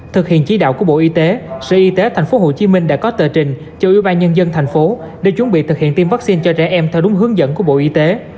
thực hiện chỉ đạo của bộ y tế sở y tế tp hcm đã có tờ trình cho ủy ban nhân dân thành phố để chuẩn bị thực hiện tiêm vaccine cho trẻ em theo đúng hướng dẫn của bộ y tế